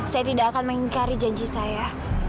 saya tidak akan mengingkari janji saya